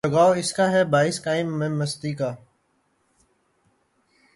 لگاؤ اس کا ہے باعث قیامِ مستی کا